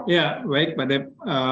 ya baik pak deb